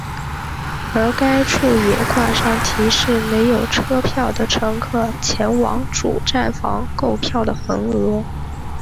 而该处也挂上提示没有车票的乘客前往主站房购票的横额。